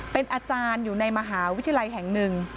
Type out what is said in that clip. เป็นอาจารย์อยู่ในมหาวิทยาลัยแห่งหนึ่ง